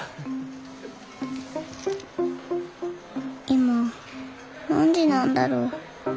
今何時なんだろう？